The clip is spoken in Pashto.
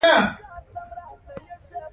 ماشوم په ښوونځي کې د غوښتنو خلاف عمل کوي.